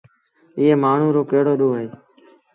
ايٚئي مآڻهوٚٚ رو ڪهڙو ڏوه اهي؟